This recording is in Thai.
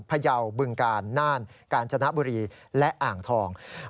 พยาวบึงกาลน่านกาญจนบุรีและอ่างทอง